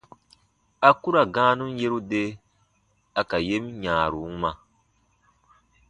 A ku ra gãanun yeru de a ka yen yãaru wuma.